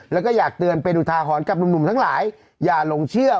แล้วก็อยากเตือนเป็นอุทาหรณ์กับหนุ่มทั้งหลายอย่าหลงเชื่อ